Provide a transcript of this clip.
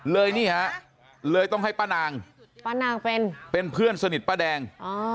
เลยต้องให้ป้านางเป็นเพื่อนสนิทป้าแดง